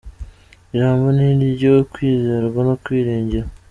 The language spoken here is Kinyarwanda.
Ijambo ni iryo kwizerwa no kwiringirwa.